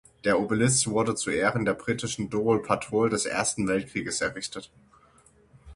Der Obelisk wurde zu Ehren der britischen Dover Patrol des Ersten Weltkrieges errichtet.